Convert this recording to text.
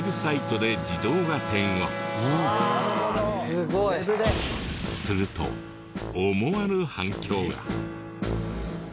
すごい！すると思わぬ反響が。